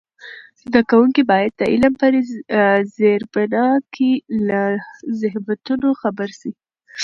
زده کوونکي باید د علم په زېربنا کې له زحمتونو خبر سي.